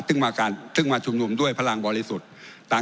ซึ่งมาชุมนุมด้วยพลังบริสุทธิ์